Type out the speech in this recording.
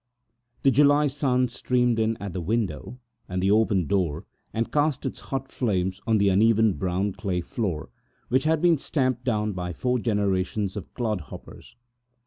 The July sun streamed in at the window and through the open door and cast its hot flames on to the uneven brown clay floor, which had been stamped down by four generations of clodhoppers.